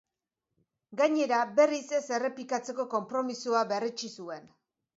Gainera, berriz ez errepikatzeko konpromisoa berretsi zuen.